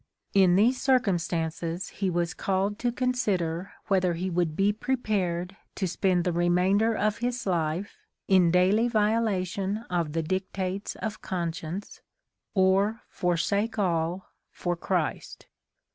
In these circumstances he was called to consider whether he would be prepared to spend the remainder of his life in daily violation of the dictates of conscience, or forsake all for Christ.